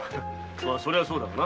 それもそうだな。